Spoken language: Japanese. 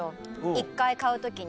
１回買う時に。